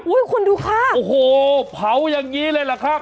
อุ้ยคุณดูค่ะโอ้โหเผาอย่างงี้เลยแหละครับ